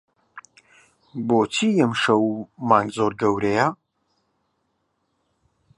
بۆچی ئەمشەو مانگ زۆر گەورەیە؟